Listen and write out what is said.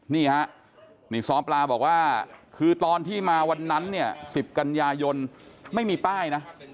นี่ฮะนี่ซ้อปลาบอกว่าคือตอนที่มาวันนั้นเนี่ย๑๐กันยายนไม่มีป้ายนะ